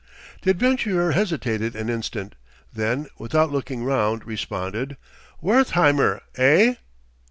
The adventurer hesitated an instant; then, without looking round, responded: "Wertheimer, eh?"